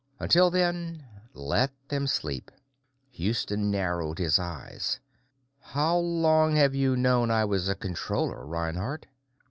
Until then, let them sleep." Houston narrowed his eyes. "How long have you known I was a Controller, Reinhardt?"